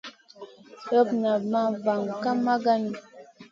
Loɓ ma vayd ka maganou.